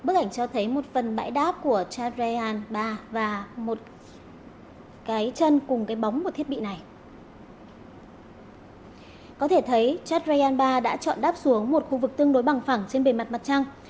có thể thấy chatrayan ba đã chọn đáp xuống một khu vực tương đối bằng phẳng trên bề mặt mặt trăng